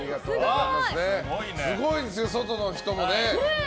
すごいですよ、外の人もね。